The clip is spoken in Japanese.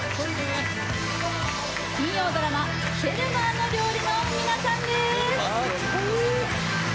金曜ドラマ「フェルマーの料理」の皆さんです。